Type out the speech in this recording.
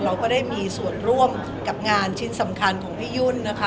เราก็ได้มีส่วนร่วมกับงานชิ้นสำคัญของพี่ยุ่นนะคะ